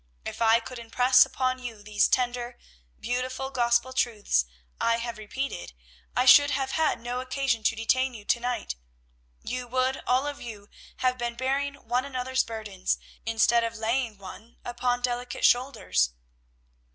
If I could impress upon you these tender, beautiful gospel truths I have repeated, I should have had no occasion to detain you to night. You would all of you have been bearing one another's burdens, instead of laying one upon delicate shoulders.